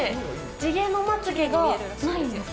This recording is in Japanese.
地毛のまつげがないんですか？